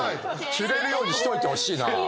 着れるようにしといてほしいな。